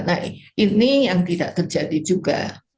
nah ini yang tidak terjadi juga